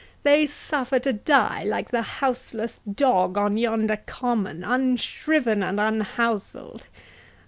—they suffer to die like the houseless dog on yonder common, unshriven and unhouseled!